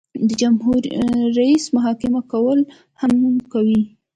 د جمهور رئیس محاکمه کول هم کوي.